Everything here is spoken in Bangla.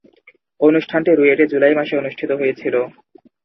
অনুষ্ঠানটি রুয়েটে জুলাই মাসে অনুষ্ঠিত হয়েছিলো।